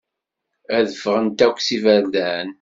Ad d-ffɣent akk s iberdan.